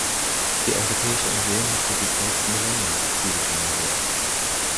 Die Europäische Union hat für sich selbst Millenniumsziele formuliert.